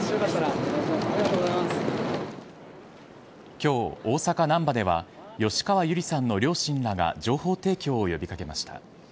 今日、大阪・なんばでは吉川友梨さんの両親らが情報提供を呼び掛けました。